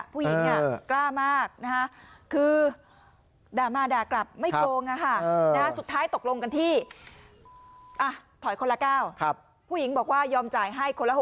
ผู้หญิงกล้ามากนะ